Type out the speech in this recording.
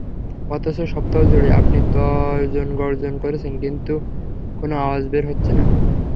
অথচ, সপ্তাহজুড়ে আপনি তর্জনগর্জন করছেন, কিন্তু কোনো আওয়াজ বের হচ্ছে না।